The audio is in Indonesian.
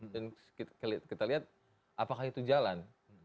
dan kita lihat apakah itu jalan